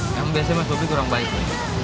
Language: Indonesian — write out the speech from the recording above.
emang biasanya mas bopi kurang baik ya